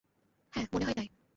হ্যাঁ, মনে হয় তাই।